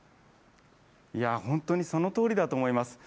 本当にそのとおりだと思います。